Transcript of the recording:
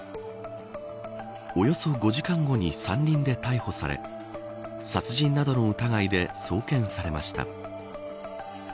およそ５時間後に山林で逮捕され殺人などの疑いで送検されました。